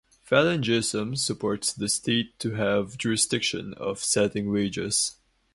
Falangism supports the state to have jurisdiction of setting wages.